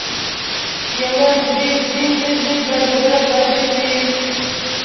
یو دوه درې ورځې به زړه بدې وي.